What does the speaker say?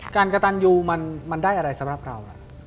กระตันยูมันได้อะไรสำหรับเรา